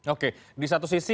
oke di satu sisi